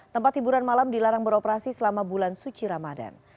tempat hiburan malam dilarang beroperasi selama bulan suci ramadan